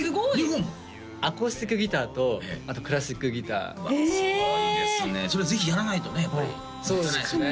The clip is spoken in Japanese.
アコースティックギターとあとクラシックギターへえすごいですねそれはぜひやらないとねやっぱりもったいないですね